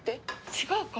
違うか。